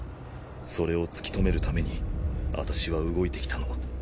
それを突き止めるために私は動いてきたの。